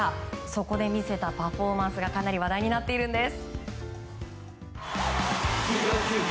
そこで見せたパフォーマンスがかなり話題になっているんです。